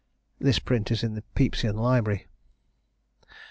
This print is in the Pepysian library.